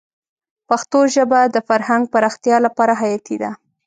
پښتو ژبه د فرهنګ پراختیا لپاره حیاتي ده.